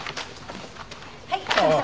はい。